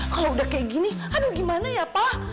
kalau udah kayak gini aduh gimana ya pak